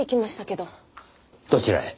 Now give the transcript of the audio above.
どちらへ？